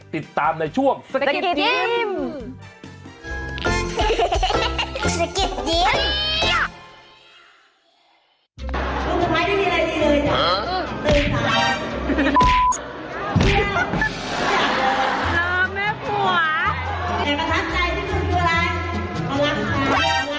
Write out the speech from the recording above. ติดตามในช่วงสกิดยิ้ม